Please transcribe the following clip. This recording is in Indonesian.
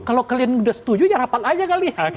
kalau kalian sudah setuju ya rapat aja kali ya